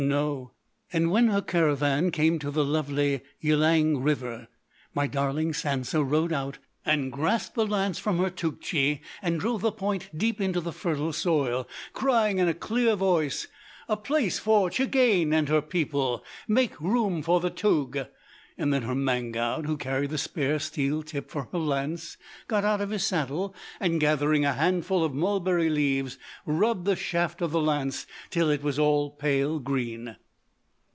No! And when her caravan came to the lovely Yliang river, my darling Sansa rode out and grasped the lance from her Tougtchi and drove the point deep into the fertile soil, crying in a clear voice: 'A place for Tchagane and her people! Make room for the toug!' "Then her Manggoud, who carried the spare steel tip for her lance, got out of his saddle and, gathering a handful of mulberry leaves, rubbed the shaft of the lance till it was all pale green.